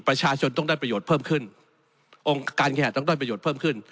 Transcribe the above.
ประชาชนต้องได้ประโยชน์เพิ่มขึ้นองค์การแขกต้องได้ประโยชน์เพิ่มขึ้น